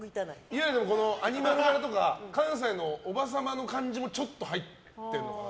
いわゆるアニマル柄とか関西のおばさまの感じもちょっと入ってるのかな。